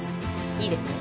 いいですね？